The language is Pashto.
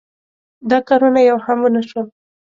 دا کارونه یو هم ونشول.